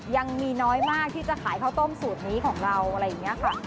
ยังมีน้อยมากที่จะขายข้าวต้มสูตรนี้ของเราอะไรอย่างนี้ค่ะ